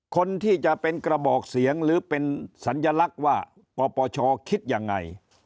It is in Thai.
คนที่จะเป็นกระบอกเสียงหรือเป็นสัญลักษณ์ว่าปปชคิดยังไง